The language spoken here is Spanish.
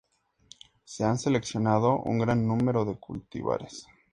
Se han seleccionado un gran número de cultivares.